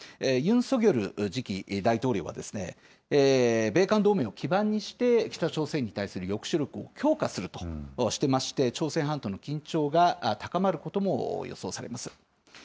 ユン・ソギョル次期大統領は、米韓同盟を基盤にして、北朝鮮に対する抑止力を強化するとしてまして、朝鮮半島の緊張が高まることも予想されます。